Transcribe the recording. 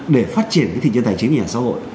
để phát triển cái thị trường tài chính nhà ở xã hội